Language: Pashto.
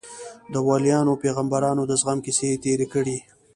د وليانو او پيغمبرانو د زغم کيسې يې تېرې کړې.